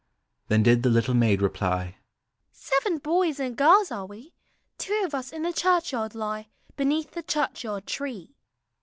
Then did the little maid reply, " Seven boys and girls are we; Two of us in the ehurehyard lie Heneath the ehurehyard tree."